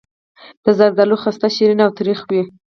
د زردالو خسته شیرین او تریخ وي.